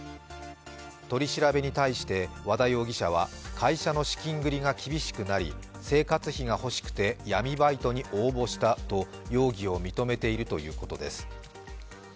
取り調べに対して和田容疑者は会社の資金繰りが厳しくなり生活費がほしくて闇バイトに応募したと容疑を認めているということです。